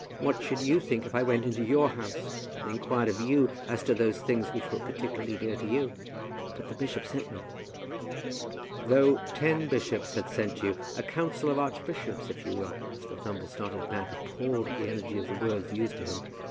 What should you think if I went into your house and inquired of you as to those things which were particularly near to you?" "But the bishop sent me." "Though ten bishops had sent me, a council of archbishops if you will!" Mr. Thumble started back, appalled at the energy of the words used to him.